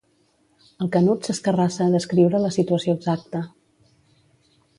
El Canut s'escarrassa a descriure la situació exacta.